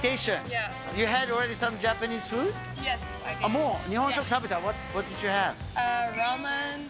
もう、日本食食べた？